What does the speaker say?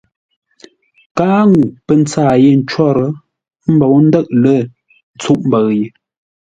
Káa ŋuu pə́ ntsâa yé ncwór, ə́ mbou ndə̂ʼ lə̂ ntsûʼ mbəʉ ye.